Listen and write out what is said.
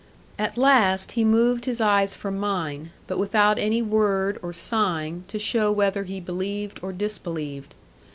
At last he moved his eyes from mine; but without any word, or sign, to show whether he believed, or disbelieved.